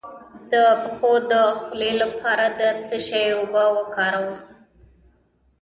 د پښو د خولې لپاره د څه شي اوبه وکاروم؟